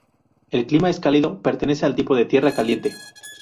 El clima es cálido, pertenece al tipo de tierra caliente.